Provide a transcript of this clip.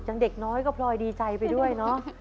อย่างเด็กน้อยก็พลอยดีใจไปด้วยเนาะ